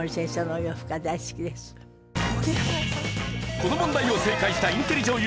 この問題を正解したインテリ女優名取。